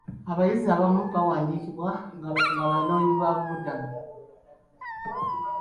Abayizi abamu baawaandiikibwa nga abanoonyiboobubudamu.